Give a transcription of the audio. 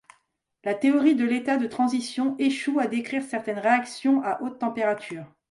La théorie de l'état de transition échoue à décrire certaines réactions à hautes températures.